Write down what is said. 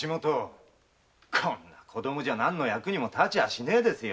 こんな子供じゃ何の役にも立ちゃしねぇですよ。